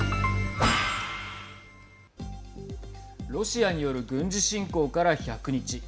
ロシアによる軍事侵攻から１００日。